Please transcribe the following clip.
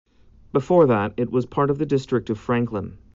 Before that, it was part of the District of Franklin.